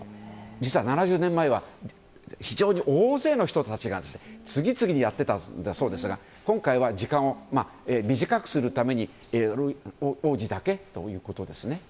実は７０年前は非常に大勢の人たちが次々にやっていたんだそうですが今回は時間を短くするために王子だけということですね。